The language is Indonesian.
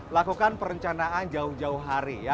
lakukan perencanaan jauh jauh hari ya